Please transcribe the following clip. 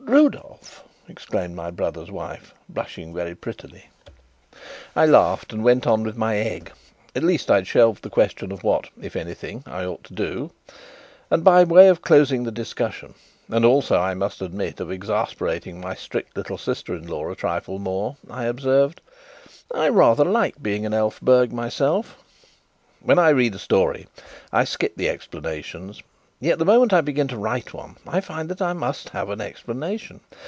"Rudolf!" exclaimed my brother's wife, blushing very prettily. I laughed, and went on with my egg. At least I had shelved the question of what (if anything) I ought to do. And, by way of closing the discussion and also, I must admit, of exasperating my strict little sister in law a trifle more I observed: "I rather like being an Elphberg myself." When I read a story, I skip the explanations; yet the moment I begin to write one, I find that I must have an explanation.